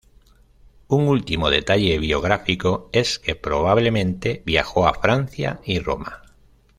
Un último detalle biográfico es que probablemente viajó a Francia y Roma.